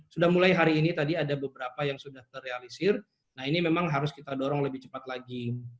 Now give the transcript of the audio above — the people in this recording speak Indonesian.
sudah mulai hari ini tadi ada beberapa yang sudah terrealisir nah ini memang harus kita dorong lebih cepat lagi